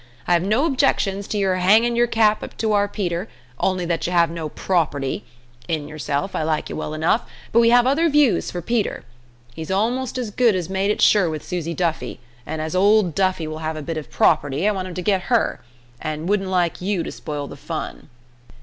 I have no objections to yer hangin' yer cap up to our Peter, only that ye have no prawperty in yerself I like ye well enough, but we have other views for Peter. He's almost as good as made it sure with Susie Duffy, an' as ole Duffy will have a bit ev prawperty I want him to git her, an' wouldn't like ye to spoil the fun."